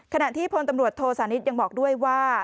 ขณะที่พลตำรวจโทสานิทยังบอกด้วยว่า